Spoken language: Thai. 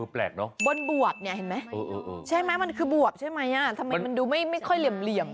แปลกเนอะบนบวบเนี่ยเห็นไหมใช่ไหมมันคือบวบใช่ไหมทำไมมันดูไม่ค่อยเหลี่ยม